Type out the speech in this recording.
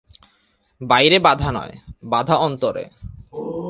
বাইরে বাধা নয়, বাধা অন্তরে।